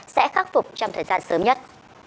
sẽ khắc phục trong thời gian sớm nhất